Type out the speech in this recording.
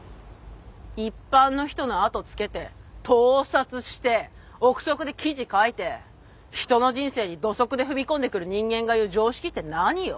一般の人のあとつけて盗撮して臆測で記事書いて人の人生に土足で踏み込んでくる人間が言う常識って何よ？